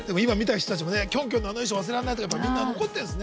キョンキョンの衣装忘れられないとかみんな残ってるんですね。